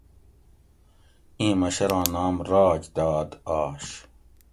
ایں مشراں نام راج داد آش